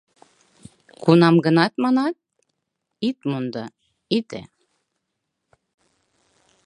Кунам-гынат манат: «Ит мондо, ите!»